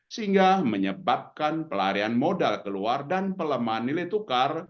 sehingga menyebabkan pelarian modal keluar dan pelemahan nilai tukar